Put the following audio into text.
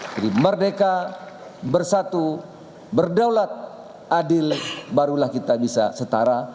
jadi merdeka bersatu berdaulat adil barulah kita bisa setara